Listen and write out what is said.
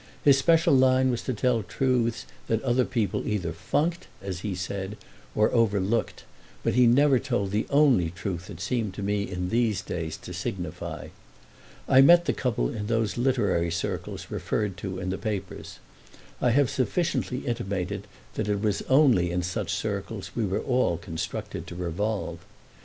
His special line was to tell truths that other people either "funked," as he said, or overlooked, but he never told the only truth that seemed to me in these days to signify. I met the couple in those literary circles referred to in the papers: I have sufficiently intimated that it was only in such circles we were all constructed to revolve.